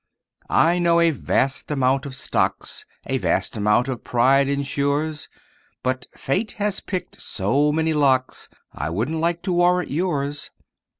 I know a vast amount of stocks, A vast amount of pride insures; But Fate has picked so many locks I wouldn't like to warrant yours.